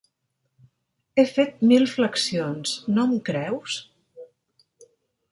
He fet mil flexions... no em creus?